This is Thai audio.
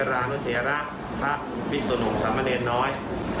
และส่งเสริมการเรียนบรรดีไปตลอดชีวิตไม่พอครับผม